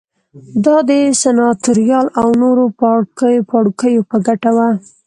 دا د سناتوریال او نورو پاړوکیو په ګټه وه